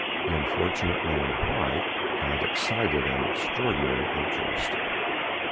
The unfortunate man White had excited an extraordinary interest.